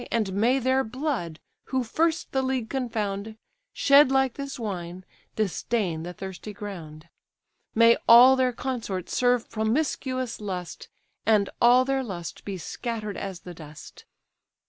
And may their blood, who first the league confound, Shed like this wine, disdain the thirsty ground; May all their consorts serve promiscuous lust, And all their lust be scatter'd as the dust!"